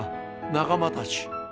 仲間たち！